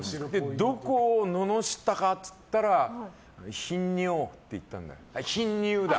どこを罵ったかっつったら頻尿って言ったんだよ。